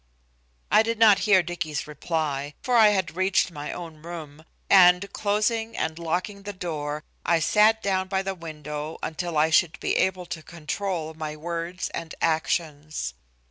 I did not hear Dicky's reply, for I had reached my own room, and, closing and locking the door, I sat down by the window until I should be able to control my words and actions.